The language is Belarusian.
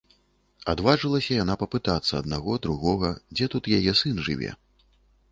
Адважылася яна папытацца аднаго, другога, дзе тут яе сын жыве?